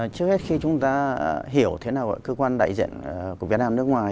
trước hết khi chúng ta hiểu thế nào cơ quan đại diện của việt nam nước ngoài